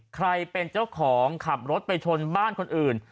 ใครเป็นเจ้าของขับรถไปชนบ้านคนอื่น